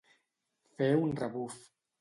Fer un rebuf.